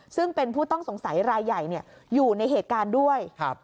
ซึ่งเป็นผู้ต้องสงสัยรายใหญ่อยู่ในเหตุการณ์ด้วย